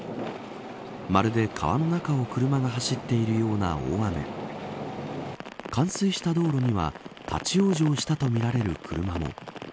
まるで川の中を車が走っているような大雨冠水した道路には立ち往生したとみられる車も。